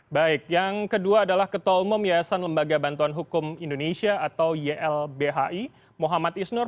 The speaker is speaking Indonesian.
baik yang kedua adalah ketua umum yayasan lembaga bantuan hukum indonesia atau ylbhi muhammad isnur